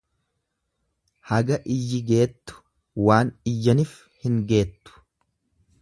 Haaga iyyi geettu waan iyyanif hin geettu.